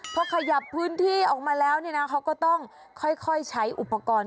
พอขยับพื้นที่ออกมาแล้วเนี่ยนะเขาก็ต้องค่อยใช้อุปกรณ์